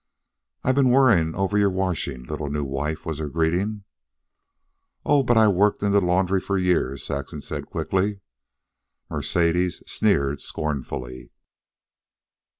"I've been worrying over your washing, little new wife," was her greeting. "Oh, but I've worked in the laundry for years," Saxon said quickly. Mercedes sneered scornfully.